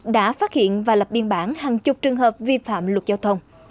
đã phát hiện và lập biên bản hàng chục trường hợp vi phạm luật giao thông